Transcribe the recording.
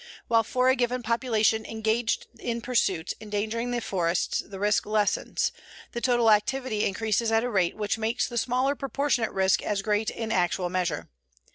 While for a given population engaged in pursuits endangering the forests the risk lessens, the total activity increases at a rate which makes the smaller proportionate risk as great in actual measure.